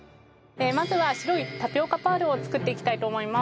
まずは白いタピオカパールを作っていきたいと思います。